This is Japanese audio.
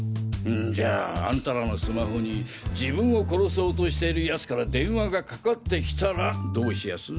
んじゃあんたらのスマホに自分を殺そうとしてる奴から電話が掛かってきたらどうしやす？